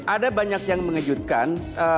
ada banyak yang mengejutkan